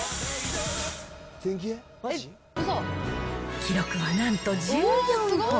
記録はなんと１４本。